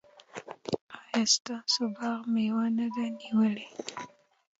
ایا ستاسو باغ مېوه نه ده نیولې؟